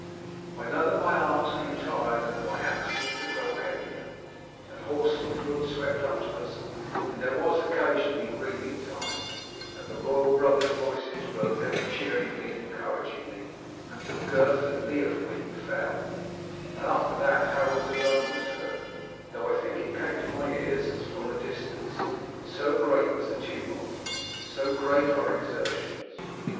I know that my arms grew tired and that my axe seemed to grow heavier, that horse and foot swept up to us, and there was occasionally breathing time; that the royal brothers' voices rose ever cheeringly and encouragingly until Gurth and Leofwin fell, and after that Harold's alone was heard, though I think it came to my ears as from a distance, so great was the tumult, so great our exertions.